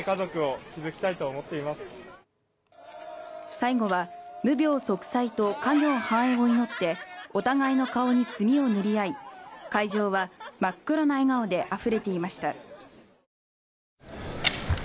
最後は、無病息災と家業繁栄を祈ってお互いの顔に墨を塗り合い会場は真っ黒な笑顔であふれていました。